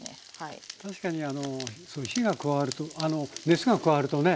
確かに火が加わると熱が加わるとね